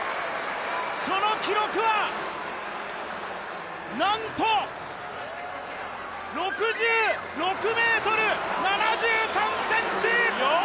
その記録はなんと６６ｍ７３ｃｍ！